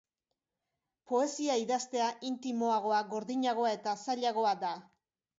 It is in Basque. Poesia idaztea intimoagoa, gordinagoa eta zailagoa da.